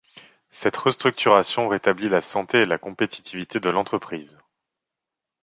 Cette restructuration rétablit la santé et la compétitivité de l'entreprise.